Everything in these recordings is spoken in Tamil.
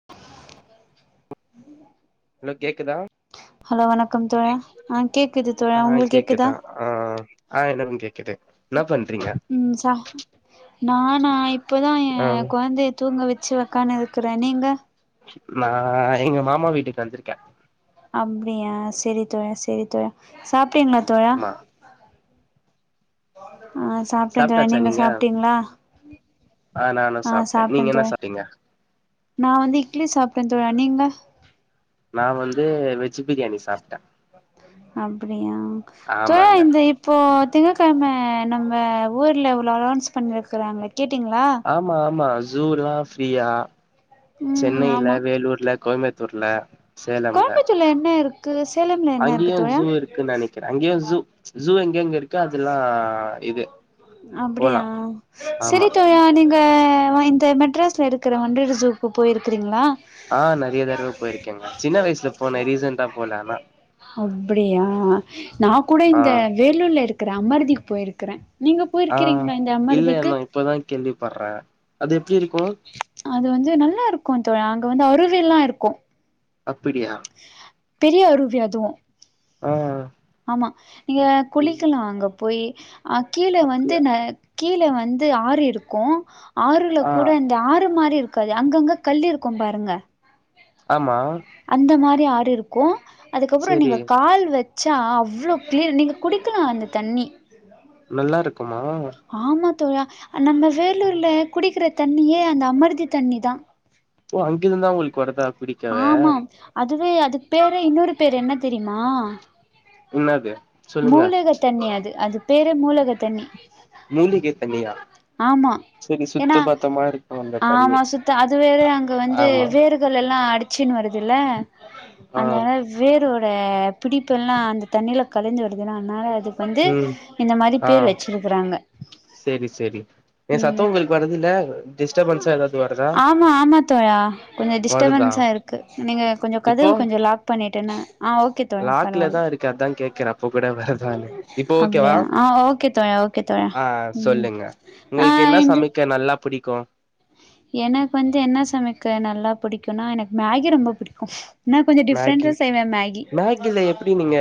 [inaudible] ஹலோ கேக்குதா ஹலோ வணக்கம் தோழா அ கேக்குது தோழா உங்களுக் கேக்குதா ஆ ஆ ஆ எனக்கு கேக்குது என்ன பண்றீங்க ம் சா நானா இப்பதா ஏ ஆ கொழந்தைய தூங்க வெச்சு ஒக்கானு இருக்குறே நீங்க நா எங்க மாமா வீட்டுக்கு வந்துருக்கே அப்டியா சேரி தோழி சேரி தோழி சாப்டீங்ளா தோழா ஆமா ஆ சாப்ட்டே தோழி நீங்க சாப்ட்டீங்களா ஆ நானு சாப்ட்டே நீங்க என்ன சாப்ட்டீங்க நான் வந்து இட்லி சாப்பிட்டே தோழா நீங்க நா வந்து வெஜ் பிரியாணி சாப்பிட்ட அப்டியா தோழா ஆமாங்க இந்த இப் இப்போ திங்ககெழ்ம நம்ம ஊர்ல உள்ள அலோன்ஸ் பண்ணியிருக்கறாங்க கேட்டீங்ளா ஆமா ஆமா ஜுலாம ஃப்ரீயா ம் சென்னையில ஆமா வேலூர்ல கோயம்பத் துர்ல கோயம்புத்தூர்ல என்ன இருக்கு சேலம் அங்கயு ஜூ இருக்குன்னு நெனைக்கிறே அங்கேயு ஜூ ஜூ எங்கங்க இரு போலா அப்டியா ஆமா சரி தோழா நீங்க இங்க வந்து மெட்ராஸ்ல இருக்கிற வண்டலூ ஜூக்கு போய்ருக்கிறீங்களா ஆ நெறைய தடவ போயிருக்கேங்க சின்ன வயசுல போனே ரீசென்டா போல ஆனா அப்டியா நா கூட இந்த ஆ வேலூர்ல இருக்கிற அமரதிக்கு போயிருக்கறே ஆ இல்ல நா இப்பதா கேள்விப்பட்றே அது எப்டி இருக்கு அது வந்து நல்லா இருக்கு தோழா அங்க வந்து அருவி ல்லா இருக்கு அப்பிடியா பெரிய அருவி அதுவு ஆமா ஆமா நீங்க குளிக்கல்லா அங்க போய் அ கீழ வந்து அப்டியா ந கீழே வந்து ஆறு இருக்கு ஆறுல ஆ கூட இந் டாறு மாரி இருக்காது அங்கங்க கல் இருக்கு பாருங்க ஆமா அந்த மாரி ஆறு இருக்கு அதுக்கப்பறோ சேரி நீங்க கால் வ ச்சா அவ்ளோ க்ளியர் நீங்க குடிக்கலா அந்த தண்ணி நல்லா இருக்குமா ஆமா தோழா நம்ம வேலூர்ல குடிக்கிற தண்ணியே அந்த அமர்தி தண்ணி தா ஓ அங்கிருந்தா உங்களுக்கு வருதா பிடிக்கவே ஆமாம் அதுவே அதுக்கு பேர் இன்னொரு பேரு என்ன தெரியுமா என்னது மூலக தண்ணி அது அது பேரே மூலக தண்ணி மூலிகை தண்ணியா ஆமா சரி சுத்த ஏன்னா பத்தமா இருக்கு அந்த தண்ணி ஆமா சுத்த அது வேற அங்க வந்து ஆமா வேரு கஎல்லா அடிச்சுன்னு வருதுல்ல ஆ அந்த வேரோட பிடிப்பெல்லா அந்த தண்ணில கலந்து வருதுல அதனால அதுக்கு வந்து ம் இந்த மாரி ஆ பேர் வச்சிருக்குறாங்க சேரி சேரி எ சத்தம் உங்களுக்கு வருதுல்ல டிஸ்டபன்ஸா ஏதாவது வருதா ஆமா வருதா கு நீங்க கொஞ்சோ கதவு இப்போ கொஞ்சோ லாக் பண்ணிட்டனா ஆ ஓக் கே தோழி லாக்ல பரவால்ல தா இருக்கு அதா கேக்குறே அப்ப கூட வருதான்னு இப்போ ஓகேவா அப்டியா ஆ ஓகே தோழி ஒ கேக்தாயா ஆ ம் சொல்லுங்க ஆ உங்களுக்கு என்ன என்து சமைக்க நல்லா புடிக்கு எனக்கு வந்து என்ன சமைக்க நல்லா பிடிக்குனா எனக்கு மேகி ரொம்ப புடிக்கு நா கொஞ்ச மேகி டிஃப்ரெண்ட்டா செய்வே மேகி மேகில எப்டி நீங்க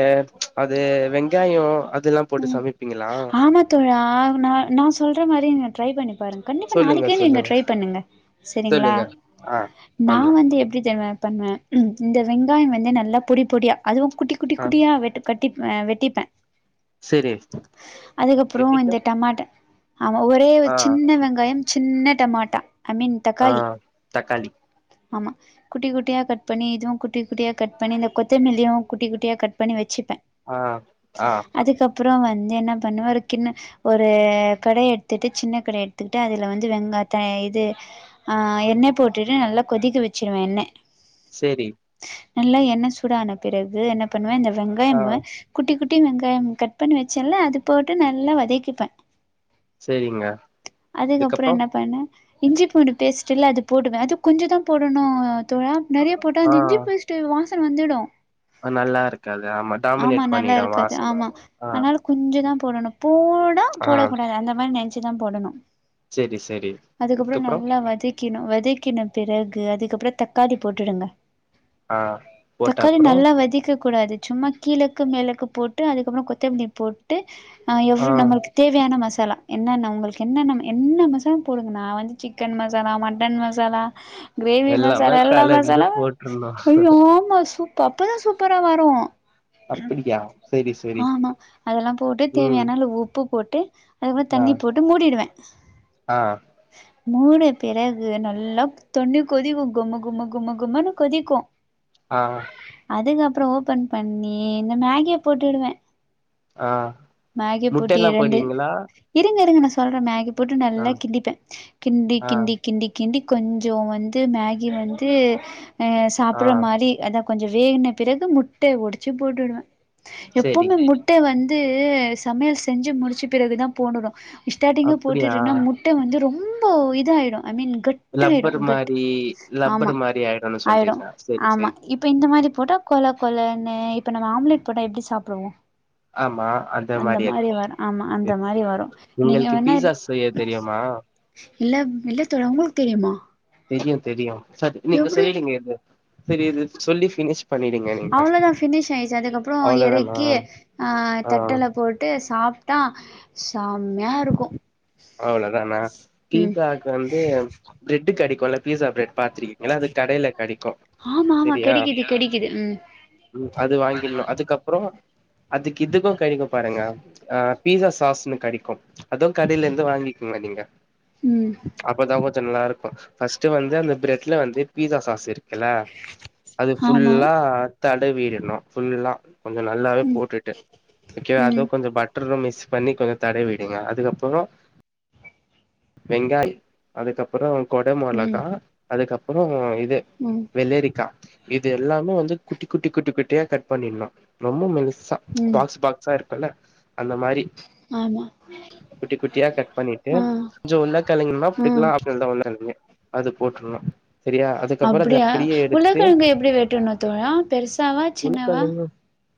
அது வெங்காயோ அதுல்லா போட்டு சமைப்பீங்களா ஆமா தோழா நா நா சொல்ற மாரி நீங்க ட்ரை பண்ணி பாருங்க கண்டிப்பா சொல்லுங்க நாளைக்கே நீங்க சொல்லுங்க ட்ரை பண்ணுங்க செரிங்ளா சொல்லுங்க ஆ நா பண்லா வந்து எப்டி தெரிமா பண்ணுவே ம் இந்த வெங்காயோ வந்து நல்லா பொடி பொடியா அதுவு குட்டி குட்டி ஆ குட்டியா வெட் கட்டிப் வெட்டிப்பே செரி அதுக்கப்றோ வெட்டிட்டு இந்த டமாட்ட ஆமா ஒரே ஒரு ஆ சின்ன வெங்காயம் சின்ன டமாட்டா ஐ மீன் ஆ தக்காளி தக்காளி ஆமா குட்டி குட்டியா கட் பண்ணி இதுவு குட்டி குட்டியா கட் பண்ணி இந்த கொத்தமல்லியு குட்டி குட்டியா கட் பண்ணி வச்சுப்பே ஆ ஆ அதுக்கப்றோ வந்து என்ன பண்ணுவே ஒரு கின்ன ஒரு கடைய எடுத்துட்டு சின்ன கடைய எடுத்துக்கிட்டு அதுல வந்து வெங்காயத்த இது ஆ எண்ணெ போட்டுடு நல்லா கொதிக்க வச்சுருவே எண்ணெ சேரி நல்லா எண்ணெ சூட ஆன பிறகு என்ன பண்ணுவே இந்த ஆ வெங்காயம குட்டி குட்டி வெங்காயம் கட் பண்ணி வச்சேல அது போட்டு நல்லா வதக்கிப்பே செரிங்க அதுக்கப்றோ இதுக்கப்றோ என்ன பண்ண இஞ்சி பூண்டு பேஸ்ட் இல்ல அது போடுவே அது கொஞ்சோ தா போடணு தோழா நெறைய போட்டோ ஆ அந்த இஞ்சி பூண்டு பேஸ்ட் ட்டு வாசன வந்துடு நல்லாருக்காது ஆமா ஆமா டாமினேட் பண்ணிடு நல்லாருக்காது வாசன ஆமா அது ஆ ஆனாலு கொஞ்சோ தா போடணு போடா ஆ போடக்கூடாது அந்த மாரி நெனச்சு தா போடணு செரி செரி அதுக்கப்பறோ இதுக்கப்றோ நல்லா வதக் க்கிண வதக்கின பிறகு அதுக்கப்றோ தக்காளி போட்டுடுங்க ஆ போட்ட தக்காளி அப்றோ நல்லா வதிக்க கூடாது சும்மா கீழக்கு மேலக்கு போட்டு அதுக்கப்றோ கொத்தமல்லி போட்டு அ ஆ எவ்ளோ நம்ளுக் தேவையான மசாலா என்னென்ன உங்களுக்கு என்னென்ன என்ன மசாலா போடுங்கனா வந்து சிக்கன் மசாலா மட்டன் மசா சலா கிரேவி எல்லாமே மசாலா எல்லா கலந்து மசாலா போட்ருணு ஐயோ ஆமா சு அப்பதா சூப்பரா வரு அப்டியா செரி செரி ஆமா அதெல்லா போட்டு ம் தேவையான அளவு உப்பு போட்டு அதுப்பறோ ஆ தண்ணி போட்டு மூடிருவே ஆ மூட பிறகு நல்லாப் தொண்ணி கொதிக்கு கும்ம கும்ம கும்ம கும்மன்னு கொதிக்கு ஆ அதுக்கப்றோ ஓப்பன் பண்ணி இந்த மேகிய போட்டுடுவே ஆ மேகியப்பூட்டி முட்டல்லா இரண்டு போடுவீங்களா இருங்க இருங்க நா சொல்றே மேகி போட்டு ஆ நல்லா கிண்டிப்பே கிண்டி ஆ கிண்டி கிண்டி கிண்டி கொஞ்சோ வந்து மேகி வந்து அ ஆ சாப்ற மாரி அத கொஞ்சோ வேகுன பிறகு முட்டய வொடிச்சு போட்டுடுவே செரி எப்பவுமே முட் முட்ட வந்து சமையல் செஞ்சு முடிச்ச பிறகு தா போடணு ஸ்டார்ட்டிங்கு அப்டியா போட்டுருன்னா முட் ட்ட வந்து ரொம்ப இதாயிடும் ஐ மீன் கட் ட்டாயிடு லப்பர் கட் மாரி ஆமா லப்பர் மாரி ஆயிடுனு ஆயிடு சொல்றீங்க செரி ஆமா செரி இப் இப்ப இந்த மாரி போட்டா கொல கொலன்னு இப்ப நம்ம ஆம்லேட் போட்டா எப்டி சாப்டுவோ அந்த மாரி வரு ஆமா அந்த செரி மாரி செரி வரு நீங்க உங்களுக்கு வேனா பீஸா செய்ய தெரியுமா இல்ல இல்ல தோழா உங்களுக் தெரியுமா தெரியு தெரியு சேரி நீங்க எப்டி சொல்லீங்க இது சேரி இது சொல்லி ஃபினிஷ் பண்ணிடுங்க நீங்க அவ்ளோதா ஃபினிஷ் ஆயிருச்சு அதுக்கப்றோ அவ்ளோதானா எறக்கி ஆ ஆ தட்டுல போட்டு சாப் தா செம்யா இருக்கு அவ்ளோதானா ம் பீஸ்சாக்கு வந்து பிரெட்டு் கெடைக்குல்ல பீஸா பிரெட் பாத்ரி ஏனா அது கடையில கெடைக்கு ஆமா ஆமா செரியா கெடைக்குது கெடைக்குது ம் ம் அது வாங்கிட்னு அதுக்கப்றோ அதுக்கு இதுக்கு கெடைக்கு பாருங்க ஆ பீஸா சாஸ்ன்னு கெடைக்கு அதுவு கடையிலிர் ந்து வாங்கிக்கிங்க நீங்க ம் அப்பதா கொஞ்ச நல்லா இருக்கு ஃபஸ்ட்டு வந்து அந்த பிரெட்ல வந்து பீஸா சாஸ் இருக்குல்ல அது ஆமா ஃபுல்லா தட வீடணு ஃபுல்லா கொஞ்ச நல்லாவே போட்டுட்டு [unintelligible] ம் கொஞ்ச பட் ட்ரு மிஸ் பண்ணி கொஞ்ச தட விடுங்க அதுக்கப்புறோ வெங்காய் அதுக்கப்புறோ கொட ம் மொளகா அதுக்கப்புறோ இது ம் வெளரிக்கா இது எல்லாமே வந்து குட்டி குட்டி குட்டி குட்டியா கட் பண்ணிருனு ரொம்ப மெலுஸ்சா ம் பாக்ஸ் பாக்ஸா இருக்குல்ல அந்த மாரி ஆமா குட்டி குட்டியா கட் பண்ணிட்டு ஆ கொஞ்ச உள்ள ஆ [unintelligible] ஒன்னு ரெண்டுமே அது போட்ருனு செரியா அதுக்கப்பறோ அது அப்டியா அப்பிடியே எடுத்து உருளக்கெழங்கு எப்டி வெட்டணு தோழா பெருசாவா சின்னவா [unintelligible]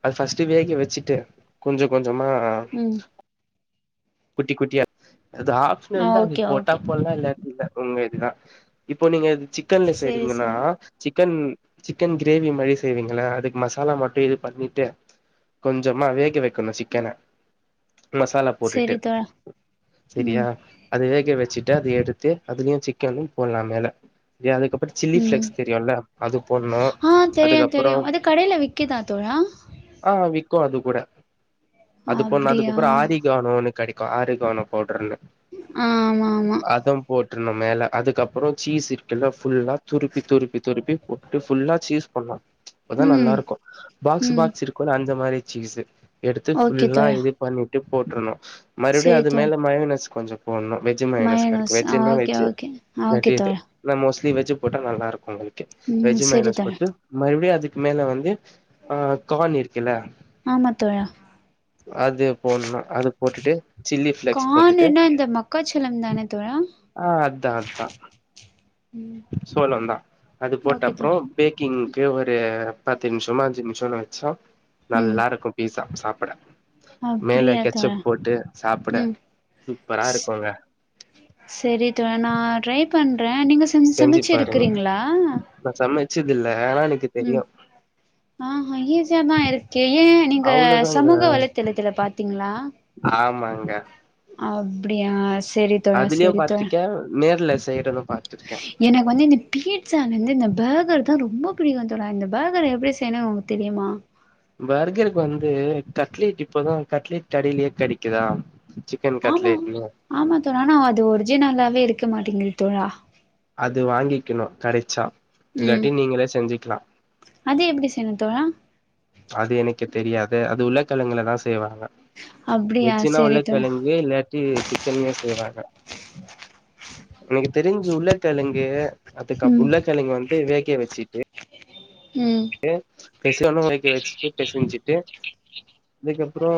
அது ஃபர்ஸ்ட்டு வேக வெச்சுட்டு கொஞ்ச கொஞ்சமா ம் குட்டி குட்டியா அது ஆ ஆப்ஷனல் தா அது ஓகே போட்டா ஓகே போட்லா இல்லாட் இல்ல உங்க இதுதா இப்போ நீங்க இது சிக்கன்ல சேரி செய்ரிங்கனா சேரி சிக்கன் சிக்கன் கிரேவி மாரி செய்வீங்களா அதுக் மசாலா மட்டு இது பண்ணிட்டு கொஞ்சமா வேக வெக்கணு சிக்கன மசாலா போட்டுட்டு செரி தோழா செரியா ம் அது வேக வெச்சுட்டு அது எடுத்து அதுலயு சிக்கனு போட்லா மேல செரி அதுகப்பு சில்லி ம் பிளேக்ஸ் தெரியுல்ல அது போட்னு ஆ தெரியு அதுக்கப்புறோ தெரியு அது கடைல விக்கிதா தோழா ஆ விக்கு அது கூட அது போட்ணு அப்டியா அதுக்கப்புறோ ஆரிகானோனு கெடைக்கு ஆரிகானோ பவுடர்னு ஆ ஆமாம்மா போட்ருணு மேலே அதுக்கப்புறோ சீஸ் இருக்குல்ல ஃபுல்லா துருப்பி துருப்பி துருப்பி போட்டுட்டு ஃபுல்லா சீஸ் போட்லா அப்பதா நல்லா ம் இருக்கு பாக்ஸ் ம் பாக்ஸ் இரு குல்ல அந்த மாரி சீஸ்சு எடுத்து ஓகே ஃபுல்லா தோழா இது பண்ணிட்டு போட்ருணு மறுவடியு செரி அது தோழா மேல மயோனஸ் கொஞ்சம் போட்னு வெஜ்ஜு மைனஸ் கெடைக்கு மயோனஸ் ஆ வெஜ்ஜுன்னா ஓகே வெஜ்ஜு ஓகே ஓகே தோழா [unintelligible] ந மோஸ்ட்லி வெஜ் போட்டா நல்லா இருக்கு [unintelligible] ம் வெஜ் செரி மயோனஸ் தோழா போட்டு மறுபடியு அதுக் மேல வந்து ஆ கான் இருக்கில்ல ஆமா தோழா அது போட்னு அது போட்டுட்டு சில்லி ஃப்ளெக்ஸ் போட்டுட்டு கானுன்னா இந்த மக்காச்சோளம் தான தோழா ஆ சோளன்தா அது ஓகே போட்டப்புறோ தோழா பேக்கிங்க்கு ஒரு பத்து நிமிஷமோ அஞ்சு நிம் ஷோன் வெச்சா ம் நல்லா இருக்கு பீஸா சாப்பட மேல அப்டியா தோழா கெச்சப் போட்டு சாப்ட ம் சூப்பரா இருக்கங்க செரி தோழா நா ட்ரை பண்றே நீங்க சம் செஞ்சு சமச்சு பாருங்க இருக்கிறீங்களா நா சமைச்சதுல எனக்கு தெரியூ ஆ ஈசியாதா இருக்கே ஏ நீங்க அவ்ளோதாங்க சமூக வலைத்தளத்துல பாத்தீங்களா ஆமாங்க அப்படியா செரி தோழா அதுலயூ செரி தோழா பா்த்திருக்கே நேர்ல செய்ரதூ பாத்திருக்கே எனக்கு வந்து இந்த பீட்டசாலேருந்து இந்த பேர்கர் தா ரொம்ப புடிக்கு தோழா இந்த பேர்கர் எப்படி செய்யணும்ன்னு உனக்கு தெரியுமா பர்கருக்கு வந்து கட்லேட் இப்பதா கட்லேட் கடையிலே கடைக்குதா ஆமா ஆமா தோழா நா அது ஒரிஜினல்லாவே இருக்க மாட்டேங்கு தோழா அது வாங்கிக்கணோ கடைச்சா ம் இல்லாட்டி நீங்களே செஞ்சிக்கலா அது எப்படி செய்னூ தோழா அது எனக்கு தெரியாது அது உருளக்கிழங்குள தா செய்வாங்க அப்டியா வெஜ்ஜுன்னா செரி தோழா உருளக்கிழங்கு இல்லாட் இது சிக்கன்லே செய்வாங்க எனக்கு தெரிஞ்சு உருளகிழங்கு அதுக்கு அப் ம் உள்ளங்க்கிழங்கு வந்து வேகீய்ய வெச்சிட்டு ம் ஏ பெசியோன்னா [unintelligible] வச்சுட்டு பெசிஞ்சுட்டு அதுக்கப்றோ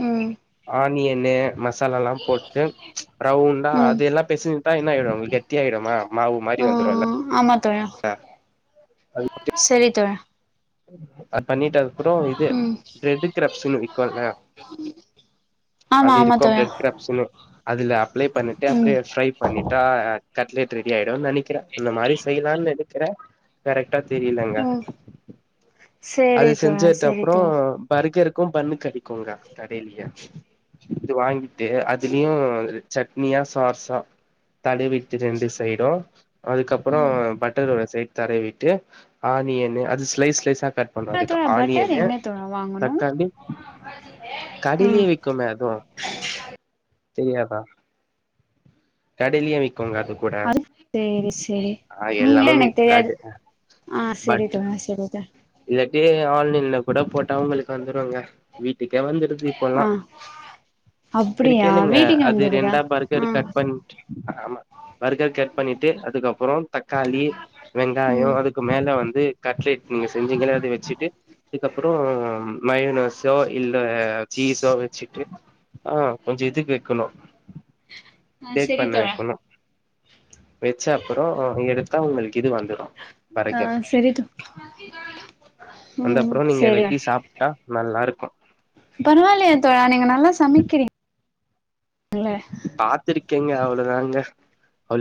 ம் ஆனியன்னு மசாலால்லா போட்டு ரவுண்டா ம் அது எல்லாப் பெசிஞ்சிட்டா என்ன ஆயிரோ உங்க கொட்டியாயிடுமா மாவு மாரி வந்துரூல்ல ம் ஆமாத் அ அது ப் செரி தோழா அது பண்ணிட்டு அப்புறோ இது ம் ட்ரெட்டி கிரப்ஸ்ன்னு விக்கோன்ல ஆமா அது ஆமா இருக்கூ தோழா பிரட் கிராப்சுனு அதுல அப்ளை பண்ணிட்டு அப்புறே ம் ஃரை பண்ணிட்டா ஆ கட்லேட் ரெடி ஆயிடுன்னு நினைக்கிறே அந்த மாதிரி செய்யலான் நெனக்கிறே கரெக்டா தெரியலங்க ம் சேரி அது தோழா செஞ்சத் சேரி அப்புறோ தோழா பறிக்கறக்கூ பண்ணு கிடைக்குங்க கடையில்லியே இத்து வாங்கிட்டு அதுலியூ சட்னியா சாஸா தடவிட்டு ரெண்டு சைடூ அதுக்கப்புறோ ம் பட்டரோட சைட் தடவிட்டு ஆனியன் அது ஸ்லைஸ் ஸ்லைஸ் கட் தோழா பண்றாதுக்கு தோழா பட்டர் ஆனியன்னு எங்க தோழா வாங்கணு தக்காளி கடையிலயே ம் விக்குமே அதுவூ தெரியாத கடையிலே விக் அதுத் சேரி செரி ஆ உம்மைலே எல்லாமே எனக்கு கட தெரியாது ஆஹ் சரி பட் தோ சரி தெ இல்லாட்டி ஆன்லைன்ல கூட போட்டா அவங்களுக்கு வந்துருங்க வீட்டுக்கே வந்துரு இப்பொல்லா ஆ சரி அப்டியா கேளுங்க வீட்டுக்கு அது வந்துடுதா ரெண்டா பருக்கர் ஆ கட் பண்ட்டு ஆமா பர்கர் கட் பண்ணிட்டு அதுக்கப்புறோ தக்காளி வெங்காயோ ம் அதுக் மேல வந்து கட்லேட் நீங்க செஞ்சீங்கனா அத வச்சுட்டு இதுக்கப்புறோ மயனோஸோ இல்ல சீஸோ வெச்சிட்டு ஆ கொஞ்சொ இதுக்கு வைக்கணோ ஆ டேட் செரி பண்ண தோழா வைக்கணோ வச்ச அப்புறோ ஆஹ் எடுத்தா உங்களுக்கு இது வந்துரூ ஆ சரி தோ ம் அந்தப்புறோ நீங்க செரி வெட்டி சாப்பட்டா நல்லா இருக்கூ பரவாயில்லயே தோழா நீங்க நல்லா சமைக்கிறீங் பாத்துருக்கேங்க அவ்வளவுதாங்க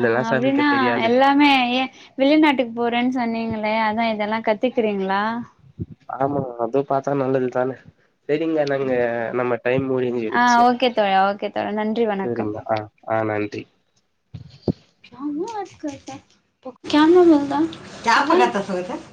ஆ அப்டின்னா எல்லாமே ஏ வெளிநாட்டுக்கு போறேன் சொன்னீங்களே அதா இதெல்லா கத்துக்குறீங்களா ஆமாங்க அதும் பாத்தா நல்லதுதான செரிங்க நங்க நம்ம டைம் ஆ முடிஞ்சிரிச்சு ஓகே தோழா ஓகே தோழா நன்றி வணக்கம் செரிங்க அ அ நன்றி ஆமா ஆ க கே ந சொத க பக்கத்த